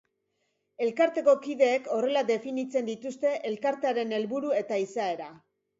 Elkarteko kideek horrela definitzen dituzte elkartearen helburu eta izaera.